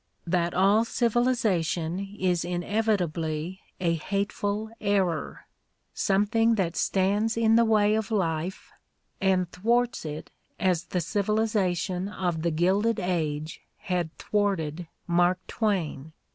That all civilization is inevitably a hateful I error, something that stands in the way of life and [thwarts it as the civilization of the Gilded Age had thwarted Mark Twain.